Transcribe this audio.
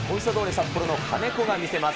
札幌の金子が見せます。